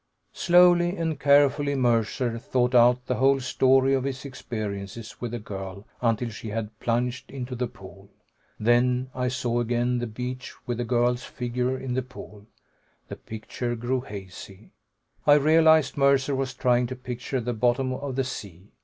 Slowly and carefully Mercer thought out the whole story of his experiences with the girl until she had plunged into the pool. Then I saw again the beach, with the girl's figure in the pool. The picture grew hazy; I realized Mercer was trying to picture the bottom of the sea.